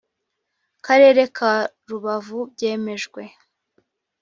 karere ka rubavu byemejwe